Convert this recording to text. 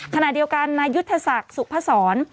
ขณะเดียวกันนายุทธศักดิ์สุพศร